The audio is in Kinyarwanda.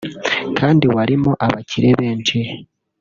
kandi warimo abakire benshi